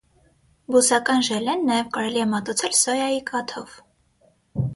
Բուսական ժելեն նաև կարելի է մատուցել սոյայի կաթով։